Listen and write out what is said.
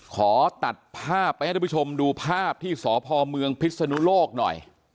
ขอตัดภาพไปให้ทุกผู้ชมดูภาพที่สพเมืองพิศนุโลกหน่อย